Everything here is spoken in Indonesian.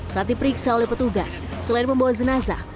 saat diperiksa oleh petugas selain membawa jenazah